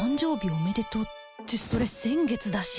おめでとうってそれ先月だし